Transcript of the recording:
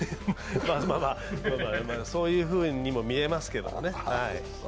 まあそういうふうにも見えますけどね。